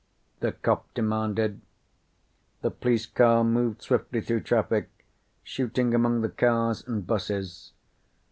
the cop demanded. The police car moved swiftly through traffic, shooting among the cars and buses.